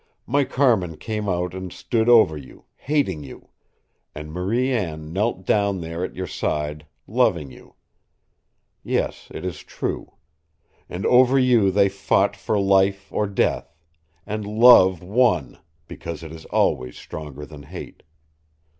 My Carmin came out and stood over you, hating you; and Marie Anne knelt down there at your side, loving you. Yes, it is true. And over you they fought for life or death, and love won, because it is always stronger than hate.